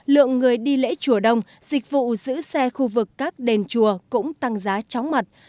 lượng người đi lễ chùa đông dịch vụ giữ xe khu vực các đền chùa cũng tăng giá chóng mặt